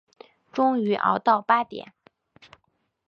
终于熬到八点